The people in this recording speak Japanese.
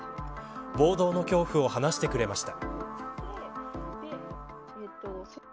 暴動の恐怖を話してくれました。